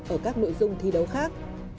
ở các nội dung thi đấu khác